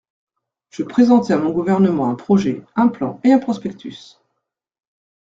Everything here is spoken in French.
Je présentai à mon gouvernement un projet, un plan et un prospectus…